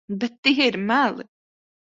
Bet tie ir meli.